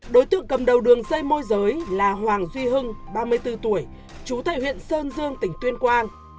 đối tượng cầm đầu đường dây môi giới là hoàng duy hưng ba mươi bốn tuổi chú tại huyện sơn dương tỉnh tuyên quang